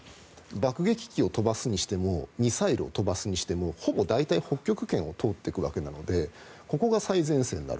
爆撃機を飛ばすにしてもミサイルを飛ばすにしてもほぼ大体北極圏を通っていくわけなのでここが最前線になる。